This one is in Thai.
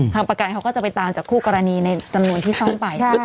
ประกันเขาก็จะไปตามจากคู่กรณีในจำนวนที่ซ่อมไป